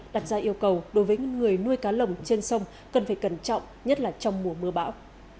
đặt ra yêu cầu đối với người nuôi cá lồng trên sông cần phải cẩn trọng nhất là trong mùa mưa bão